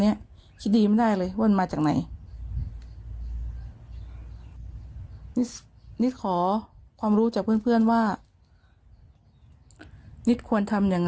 นี้คิดดีไม่ได้เลยว่ามาจากไหนนี่ขอความรู้จากเพื่อนว่านิดควรทำอย่าง